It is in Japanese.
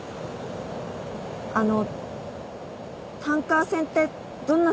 あのタンカー船ってどんな仕事するんですか？